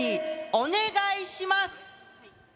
お願いします。